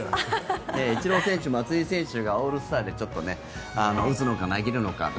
イチロー選手、松井選手がオールスターで打つのか投げるのか